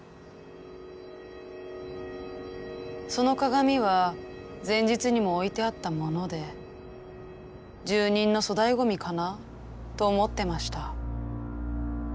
その鏡は前日にも置いてあったもので住人の粗大ゴミかなと思ってました。